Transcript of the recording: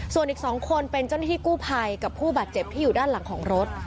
ส่วนอีก๒คนเป็นเจ้าหน้าที่กู้ภัยกับผู้บาดเจ็บที่อยู่ด้านหลังของรถ